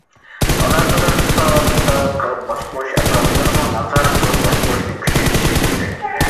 ئالاقىدار سۇپا ۋە نازارەت قىلىپ باشقۇرۇش ئاپپاراتلىرىمۇ نازارەت قىلىپ باشقۇرۇشنى كۈچەيتىشى كېرەك.